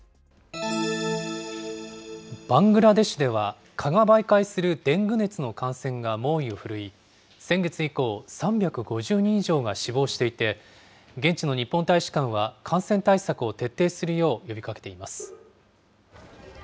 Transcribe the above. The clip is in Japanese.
バングラデシュでは、蚊が媒介するデング熱の感染が猛威を振るい、先月以降、３５０人以上が死亡していて、現地の日本大使館は感染対策を徹底するよう呼びかけています。